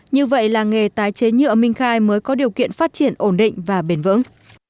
như vậy làng nghề tái chế nhựa minh khai mới có điều kiện phát triển ổn định và bền vững